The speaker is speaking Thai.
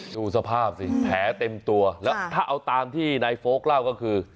ดูสภาพสิแผลเต็มตัวแล้วถ้าเอาตามที่นายโฟลกเล่าก็คือ